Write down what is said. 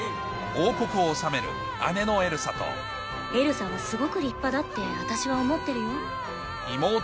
王国を治めるエルサはすごく立派だって私は思ってるよ。